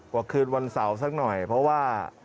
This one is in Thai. กว่าคืนวันเสาร์สักหน่อยเพราะว่า